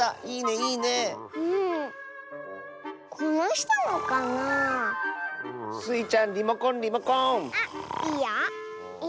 いいよ。